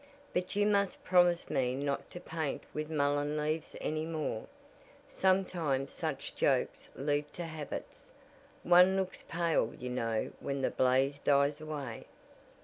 "But you must promise me not to paint with mullen leaves any more. Sometimes such jokes lead to habits one looks pale you know when the blaze dies away."